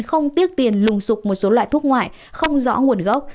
không tiếc tiền lùng sụp một số loại thuốc ngoại không rõ nguồn gốc